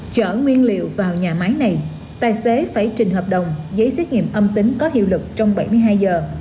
chở nguyên liệu vào nhà máy này tài xế phải trình hợp đồng giấy xét nghiệm âm tính có hiệu lực trong bảy mươi hai giờ